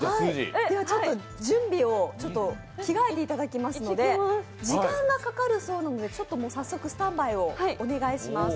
準備を、着替えていただきますので、時間がかかるそうなので、早速スタンバイをお願いします。